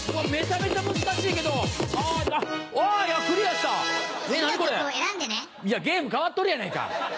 いやゲーム変わっとるやないか！